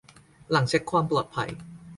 หลังเช็คความปลอดภัย